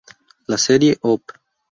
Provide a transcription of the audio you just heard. La serie Op.